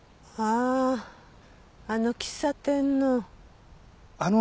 あああの喫茶店の。